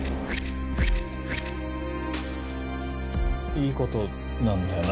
いいことなんだよな？